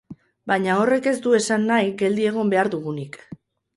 Baina horrek ez du esan nahi geldi egon behar dugunik.